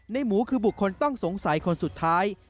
หมูคือบุคคลต้องสงสัยคนสุดท้าย